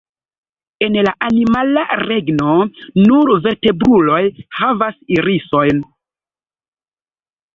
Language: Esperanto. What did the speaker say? En la animala regno, nur vertebruloj havas irisojn.